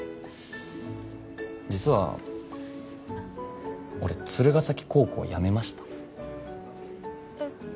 実は俺鶴ケ崎高校辞めましたえっ？